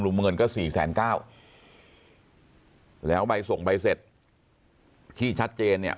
เงินก็สี่แสนเก้าแล้วใบส่งใบเสร็จที่ชัดเจนเนี่ย